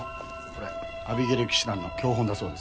これアビゲイル騎士団の教本だそうです。